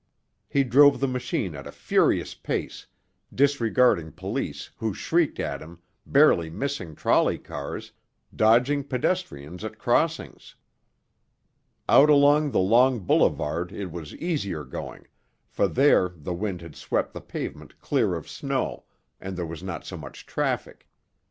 He drove the machine at a furious pace, disregarding police, who shrieked at him, barely missing trolley cars, dodging pedestrians at crossings. Out along the long boulevard it was easier going, for there the wind had swept the pavement clear of snow, and there was not so much traffic.